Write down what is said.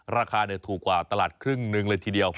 ราคาถูกกว่าตลาดครึ่งหนึ่งเลยทีเดียว